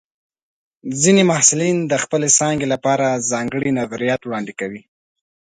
ځینې محصلین د خپلې څانګې لپاره ځانګړي نظریات وړاندې کوي.